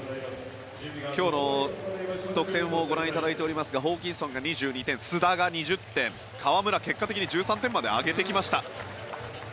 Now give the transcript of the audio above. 今日の得点をご覧いただいていますがホーキンソンが２２点須田が２０点河村、結果的に１３点まで上げてきました。